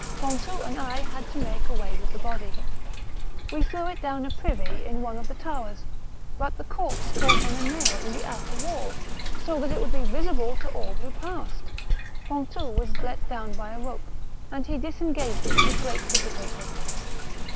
Pontou and I had to make away with the body. We threw it down a privy in one of the towers, but the corpse caught on a nail in the outer wall, so that it would be visible to all who passed. Pontou was let down by a rope, and he disengaged it with great difficulty."